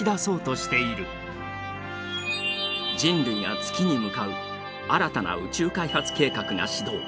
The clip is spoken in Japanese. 人類が月に向かう新たな宇宙開発計画が始動。